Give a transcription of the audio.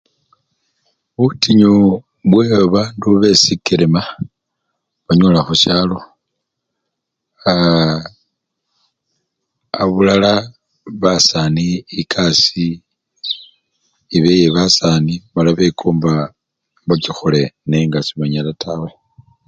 Butinyu bwebabandu besikelema banyola khusyalo, aaa! abulala basani ekasii, eba yebasani mala bekomba bakikhole nenga sebanyal tawe.